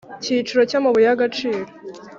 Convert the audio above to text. Cy igiciro cy amabuye y agaciro